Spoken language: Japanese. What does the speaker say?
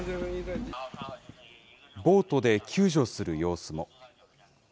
ボートで救助する様子も。